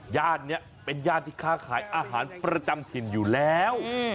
ย่านนี้เป็นย่านที่ค้าขายอาหารประจำถิ่นอยู่แล้ว